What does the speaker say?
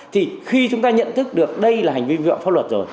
thì khi chúng ta nhận thức được đây là hành vi vi phạm pháp luật rồi